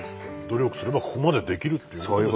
努力すればここまでできるっていうことですからね